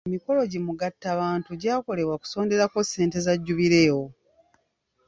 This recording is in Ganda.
Emikolo gi mugattabantu gyakolebwa okusonderako ssente za jubireewo